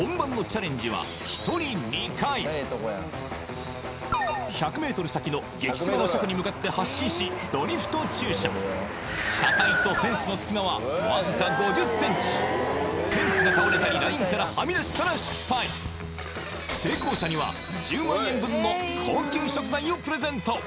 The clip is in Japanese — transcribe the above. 本番の１００ｍ先の激セマの車庫に向かって発進しドリフト駐車車体とフェンスの隙間はわずか５０ｃｍフェンスが倒れたりラインからはみ出したら失敗成功者には１０万円分の高級食材をプレゼント